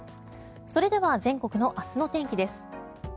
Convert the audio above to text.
それでは全国の明日の天気です。